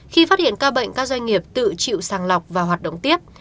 khi phát hiện ca bệnh các doanh nghiệp tự chịu sàng lọc và hoạt động tiếp